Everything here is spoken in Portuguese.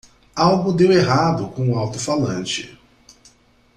Algo deu errado com o alto-falante.